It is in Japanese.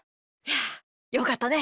よかったね。